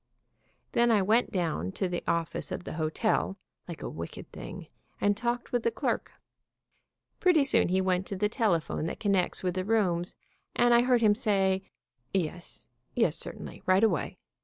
Then I went down to the office of the hotel, like a wicked thing and talked with the clerk. Pretty soon he went to the telephone that connects with the rooms, and I heard him say, "Yes, yes, certainly, right away."